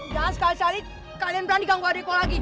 jangan sekali sekali kalian berani ganggu adikku lagi